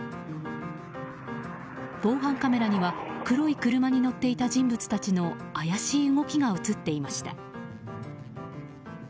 防犯カメラには黒い車に乗っていた人物たちの怪しい動きが映っていました。